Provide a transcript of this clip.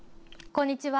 こんにちは。